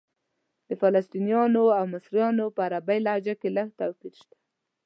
د فلسطنیانو او مصریانو په عربي لهجه کې لږ توپیر شته.